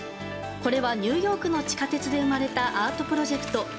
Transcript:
これは、ニューヨークの地下鉄で生まれたアートプロジェクト